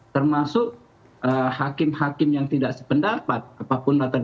termasuk hakim hakim yang tidak sependapat apapun